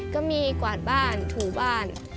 ก็มีกวาดบ้านถูบ้าน